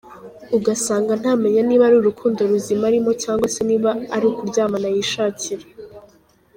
Ugasanga ntamenya niba ari urukundo ruzima arimo cyangwa se niba ari ukuryamana yishakira.